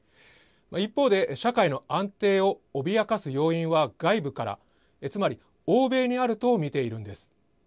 一方で社会の安定を脅かす要因は外部から、つまり欧米にあると見ているんです。